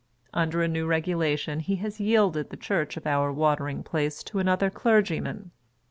Under a new regulation, he has yielded the church of our Watering Place to another clergyman.